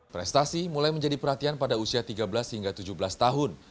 prestasi mulai menjadi perhatian pada usia tiga belas hingga tujuh belas tahun